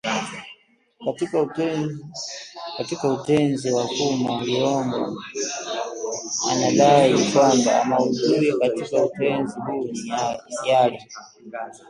Katika Utenzi wa Fumo Liyongo anadai kwamba maudhui katika utenzi huu ni yale